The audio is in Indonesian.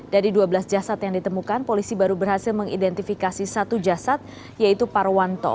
dari dua belas jasad yang ditemukan polisi baru berhasil mengidentifikasi satu jasad yaitu parwanto